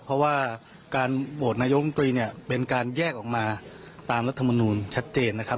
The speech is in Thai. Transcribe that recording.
เพราะว่าการโหวตนายกรรมตรีเนี่ยเป็นการแยกออกมาตามรัฐมนูลชัดเจนนะครับ